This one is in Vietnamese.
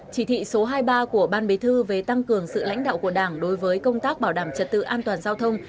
chỉ thị số hai mươi ba của ban bế thư về tăng cường sự lãnh đạo của đảng đối với công tác bảo đảm trật tự an toàn giao thông